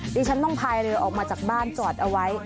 ดิฉันต้องพายเรือออกมาจากบ้านจอดเอาไว้